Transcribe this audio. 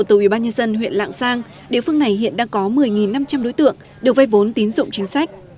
từ ubnd huyện lạng giang địa phương này hiện đang có một mươi năm trăm linh đối tượng được vay vốn tín dụng chính sách